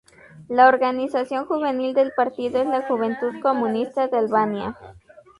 La organización juvenil del partido es la Juventud Comunista de Albania.